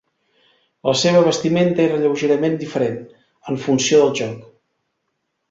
La seva vestimenta era lleugerament diferent, en funció del joc.